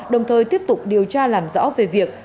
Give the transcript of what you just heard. đồng thời tiếp tục điều tra làm rõ về việc